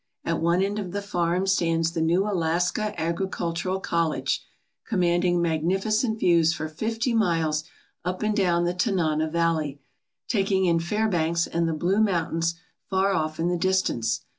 At one end of the farm stands the new Alaska Agricultural College, commanding magnificent views for fifty miles up and down the Tanana valley, taking in Fairbanks and the blue mountains far off in the distance.